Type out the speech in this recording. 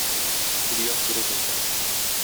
Ильяс күрәзәче.